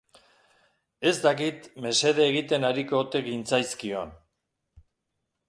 Ez dakit mesede egiten ariko ote gintzaizkion.